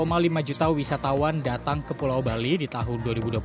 lebih dari empat lima juta wisatawan datang ke pulau bali di tahun dua ribu dua puluh tiga